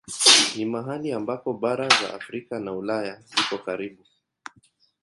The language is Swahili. Ni mahali ambako bara za Afrika na Ulaya ziko karibu.